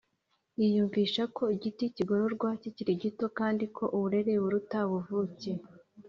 yiyumvisha ko igiti kigororwa kikiri gito kandi ko uburere buruta ubvuke